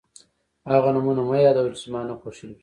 هغه نومونه مه یادوه چې زما نه خوښېږي.